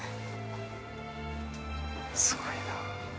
すごいな。